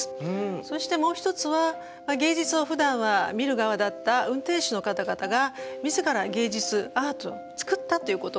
そしてもう一つは芸術をふだんは見る側だった運転手の方々が自ら芸術アートを作ったということが重要だと思います。